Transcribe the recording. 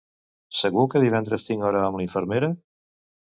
Segur que divendres tinc hora amb la infermera?